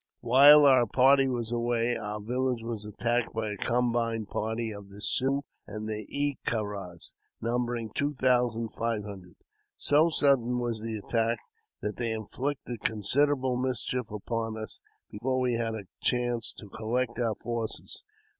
While our party was away, our village was attacked by a combined party of the Siouxs and Ee ke rahs, numbering two thousand five hundred. So sudden was the attack that they inflicted considerable mischief upon us before we had a chance to collect our forces.